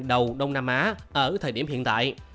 đầu đông nam á ở thời điểm hiện tại